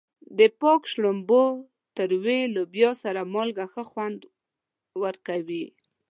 د پالک، شړومبو، تورې لوبیا سره مالګه ښه خوند ورکوي.